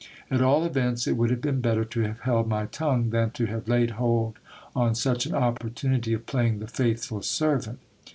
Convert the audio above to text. At all events it would have been better to have held my tongue, than to have laid hold on such an oppportunity of playing the faithful servant.